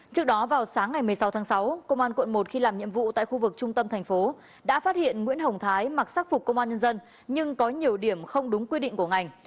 trước đó vào sáng ngày một mươi sáu tháng sáu công an quận một khi làm nhiệm vụ tại khu vực trung tâm thành phố đã phát hiện nguyễn hồng thái mặc xác phục công an nhân dân nhưng có nhiều điểm không đúng quy định của ngành